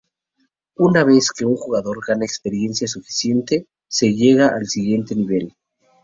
Una vez que un jugador gana experiencia suficiente, se llega al siguiente nivel.